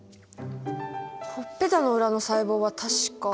ほっぺたの裏の細胞は確か違いました。